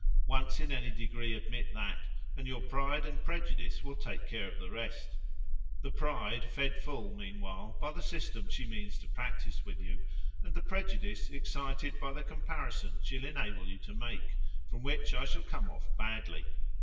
Once in any degree admit that, and your pride and prejudice will take care of the rest! the pride fed full, meanwhile, by the system she means to practise with you, and the prejudice excited by the comparisons she'll enable you to make, from which I shall come off badly.